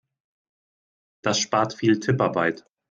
Das spart viel Tipparbeit.